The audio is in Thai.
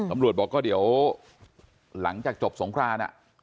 ตำรวจบอกก็เดี๋ยวหลังจากจบสงคราน